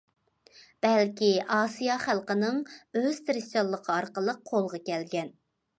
بەلكى ئاسىيا خەلقىنىڭ ئۆز تىرىشچانلىقى ئارقىلىق قولغا كەلگەن.